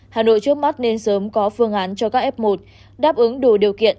hà nội trước mắt nên sớm có phương án cho các f một đáp ứng đủ điều kiện